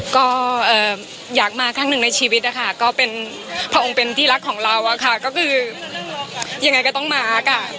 ก็อยากมาครั้งหนึ่งในชีวิตนะคะก็เป็นพระองค์เป็นที่รักของเราอะค่ะก็คือยังไงก็ต้องมาร์คอ่ะ